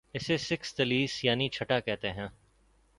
اور اسے سیکستیلیس یعنی چھٹا کہتے تھے